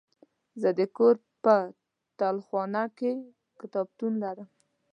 زه د کور په تلخونه کې کتابتون لرم.